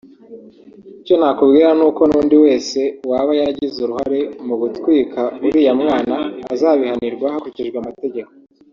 icyo nakubwira ni uko n’undi wese waba yaragize uruhare mu gutwika uriya mwana azabihanirwa hakurikijwe amategeko